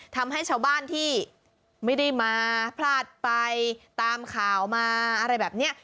ทำให้ชาวบ้านที่ไม่ได้มาพลาดไปตามข่าวมาอะไรแบบนี้